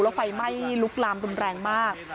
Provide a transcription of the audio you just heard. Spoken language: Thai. แล้วไฟไหม้ลุกลามรุนแรงมาก